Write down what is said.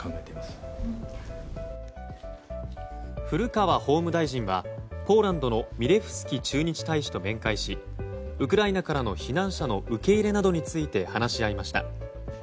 古川法務大臣はポーランドのミレフスキ駐日大使と面会しウクライナからの避難者の受け入れなどについて話し合いました。